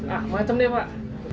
ah macam ini pak